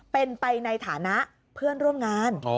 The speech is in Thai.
เป็นไปในฐานะเพื่อนร่วมงาน